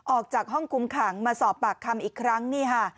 ออกจากห้องคุมขังมาสอบปากคำอีกครั้งนี่ค่ะ